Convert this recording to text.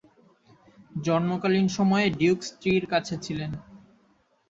জন্মকালীন সময়ে ডিউক স্ত্রীর কাছে ছিলেন।